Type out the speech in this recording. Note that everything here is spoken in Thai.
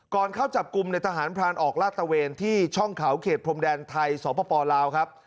เข้าจับกลุ่มในทหารพรานออกลาดตะเวนที่ช่องเขาเขตพรมแดนไทยสปลาวครับ